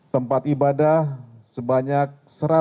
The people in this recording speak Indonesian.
tempat ibadah sebanyak satu ratus tujuh puluh